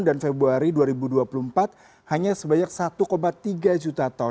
dan februari dua ribu dua puluh empat hanya sebanyak satu tiga juta ton